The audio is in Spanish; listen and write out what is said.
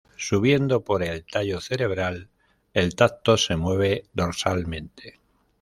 Subiendo por el tallo cerebral, el tracto se mueve dorsalmente.